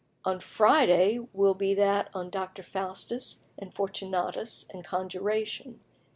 "On Friday will be that on Dr. Faustus and Fortunatus and conjuration.